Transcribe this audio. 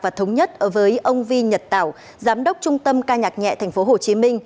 và thống nhất với ông vi nhật tảo giám đốc trung tâm ca nhạc nhẹ tp hcm